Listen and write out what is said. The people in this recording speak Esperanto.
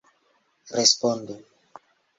Respondu.